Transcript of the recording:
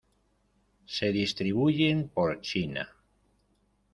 Se distribuyen por China.